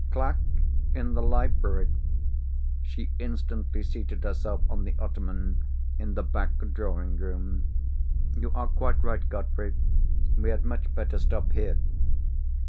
"Clack in the library!" She instantly seated herself on the ottoman in the back drawing room. "You are quite right, Godfrey. We had much better stop here."